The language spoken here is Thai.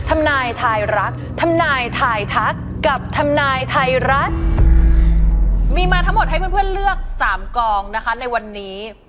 มีมาทั้งหมดให้เพื่อนเลือก๓กองในวันนี้